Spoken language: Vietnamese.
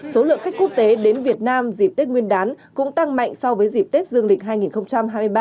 số lượng khách quốc tế đến việt nam dịp tết nguyên đán cũng tăng mạnh so với dịp tết dương lịch hai nghìn hai mươi ba